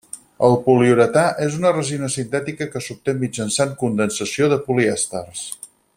El poliuretà és una resina sintètica que s'obté mitjançant condensació de polièsters.